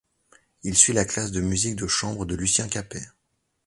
Il suit la classe de musique de chambre de Lucien Capet.